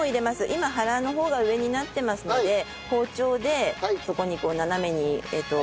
今腹の方が上になってますので包丁でそこにこう斜めに何回かはい。